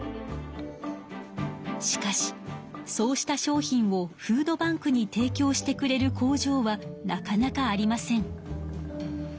しかしそうした商品をフードバンクに提きょうしてくれる工場はなかなかありません。